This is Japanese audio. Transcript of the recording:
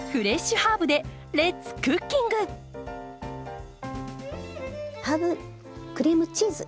ハーブクリームチーズ。